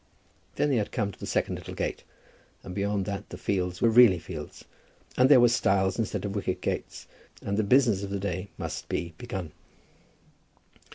Then they had come to the second little gate, and beyond that the fields were really fields, and there were stiles instead of wicket gates, and the business of the day must be begun.